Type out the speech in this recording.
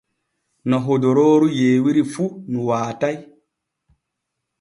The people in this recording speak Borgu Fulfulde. No hodorooru yeewiri fu nu waatay.